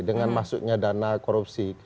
dengan maksudnya dana korupsi